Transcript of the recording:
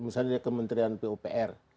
misalnya dari kementerian pupr